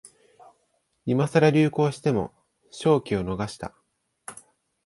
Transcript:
今さら流行しても商機を逃した